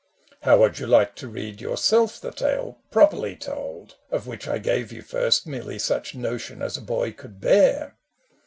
" How would you like to read yourself the tale Properly told, of which I gave you first Merely such notion as a boy could bear